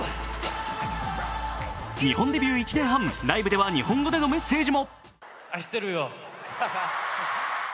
日本デビュー１年半、ライブでは日本語でのメッセージも。